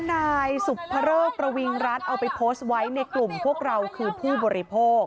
นายสุภเริกประวิงรัฐเอาไปโพสต์ไว้ในกลุ่มพวกเราคือผู้บริโภค